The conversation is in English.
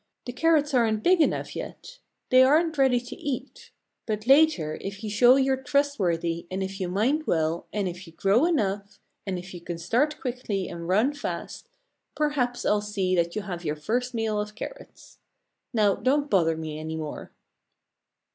The carrots aren't big enough yet. They aren't ready to eat. But later, if you show you're trustworthy, and if you mind well, and if you grow enough, and if you can start quickly and run fast, perhaps I'll see that you have your first meal of carrots. Now, don't bother me any more!"